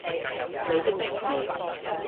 你的名字